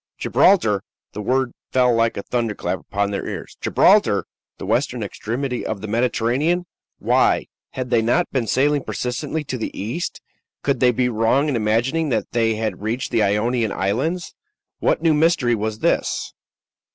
Gibraltar! The word fell like a thunderclap upon their ears. Gibraltar! the western extremity of the Mediterranean! Why, had they not been sailing persistently to the east? Could they be wrong in imagining that they had reached the Ionian Islands? What new mystery was this?